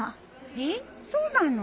えっそうなの？